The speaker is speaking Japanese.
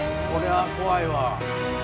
これは怖いわ。